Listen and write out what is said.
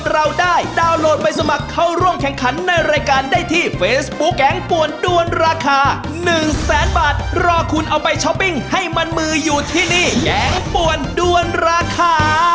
รอดูช่วงหน้า